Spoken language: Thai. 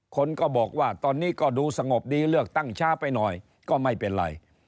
คนก็บอกว่าตอนนี้ก็ดูสงบดีเลือกตั้งช้าไปหน่อยก็ไม่เป็นไร